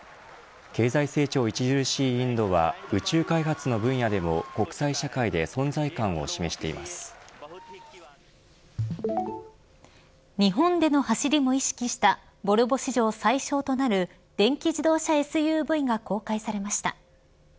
経済成長が著しいインドは宇宙開発の分野でも国際社会で日本での走りも意識したボルボ史上最小となる電気自動車ＳＵＶが公開されました。